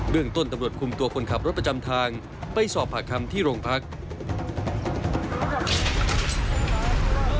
เรื่องต้นตำรวจคุมตัวคนขับรถประจำทางไปสอบปากคำที่โรงพัก